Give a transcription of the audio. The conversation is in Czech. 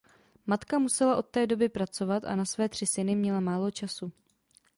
Matka musela od té doby pracovat a na své tři syny měla málo času.